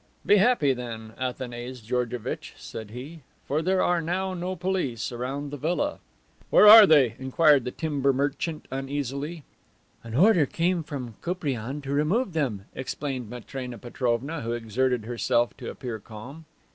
"Be happy, then, Athanase Georgevitch," said he, "for there are now no police around the villa." "Where are they?" inquired the timber merchant uneasily. "An order came from Koupriane to remove them," explained Matrena Petrovna, who exerted herself to appear calm.